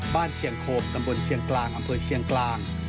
เชียงโคมตำบลเชียงกลางอำเภอเชียงกลาง